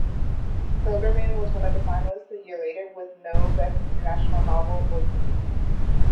"Pilgermann" was one finalist a year later when no best international novel was named.